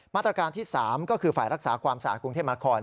มาตรการที่๓ก็คือฝ่ายรักษาความสะอาดกรุงเทพมคอน